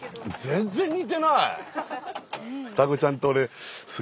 全然似てない。